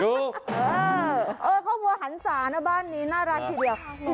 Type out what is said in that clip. เออข้าวบัวหันศานะบ้านนี้น่ารักทีเดียว